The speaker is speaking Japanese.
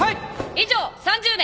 以上３０名。